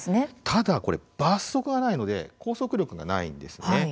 ただ、罰則がないので拘束力がないんです。